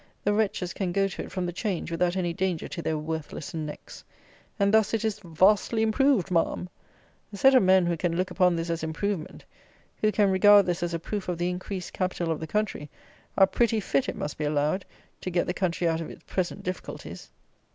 The wretches can go to it from the 'Change without any danger to their worthless necks. And thus it is "vastly improved, Ma'am!" A set of men who can look upon this as "improvement," who can regard this as a proof of the "increased capital of the country," are pretty fit, it must be allowed, to get the country out of its present difficulties!